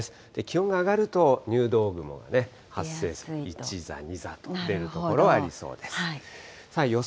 気温が上がると入道雲が発生する、１座、２座と出る所はありそうです。